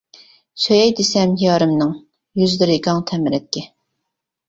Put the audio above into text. سۆيەي دېسەم يارىمنىڭ، يۈزلىرى گاڭ تەمرەتكە.